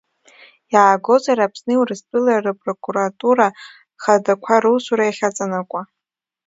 Иаагозар, Аԥсни Урыстәылеи рыпрокуратура Хадақәа русура иахьаҵанакуа.